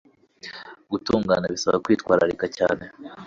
gutungana bisaba kwitwararika cyane